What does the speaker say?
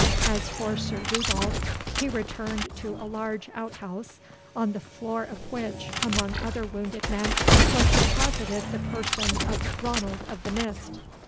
As for Sir Dugald, he returned to a large outhouse, on the floor of which, among other wounded men, was deposited the person of Ranald of the Mist.